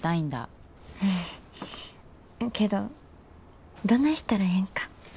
うんけどどないしたらええんか。